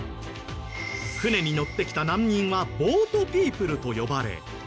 船に乗ってきた難民はボートピープルと呼ばれ。